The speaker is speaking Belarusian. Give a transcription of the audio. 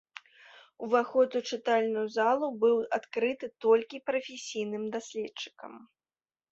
Уваход у чытальную залу быў адкрыты толькі прафесійным даследчыкам.